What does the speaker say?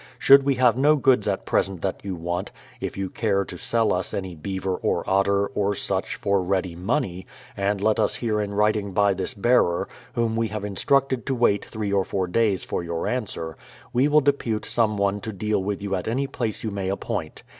Should we have no goods at present that you want, if you care to sell us any beaver, or otter, or such, for readj' money, and let us hear in writing by this bearer, whom we have instructed to wait three or four days for your answer, we will depute some one to deal with you at any place you may appoint.